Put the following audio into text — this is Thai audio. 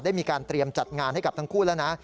มีการเตรียมจัดงานให้กับทั้งคู่แล้วนะ